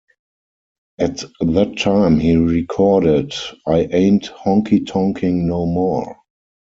At that time he recorded "I Ain't Honky Tonkin' No More".